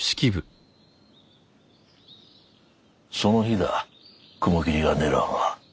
その日だ雲霧が狙うのは。